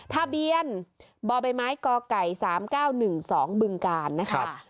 ทะเบียนบใบไม้กไก่๓๙๑๒บึงกาลนะคะ